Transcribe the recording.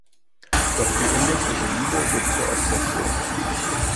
Doch die unmögliche Liebe wird zur Obsession.